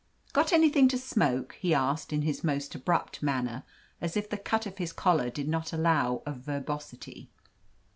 "Got anything to smoke?" he asked, in his most abrupt manner, as if the cut of his collar did not allow of verbosity.